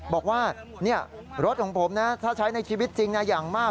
บอกว่ารถของผมนะถ้าใช้ในชีวิตจริงอย่างมาก